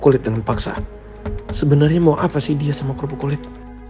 kulit dengan paksa sebenarnya mau apa sih dia sama kerupuk kulit